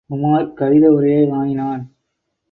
உமார் கடித உரையை வாங்கினான்.